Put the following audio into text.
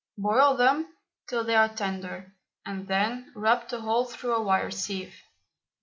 Boil them till they are tender, and then rub the whole through a wire sieve.